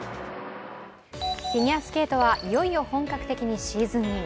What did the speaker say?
フィギュアスケートはいよいよ本格的にシーズンイン。